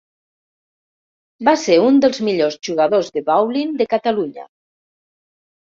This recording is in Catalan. Va ser un dels millors jugadors de bowling de Catalunya.